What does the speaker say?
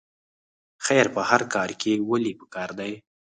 خیر په هر کار کې ولې پکار دی؟